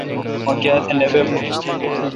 ما کاَتہ نہ بی بون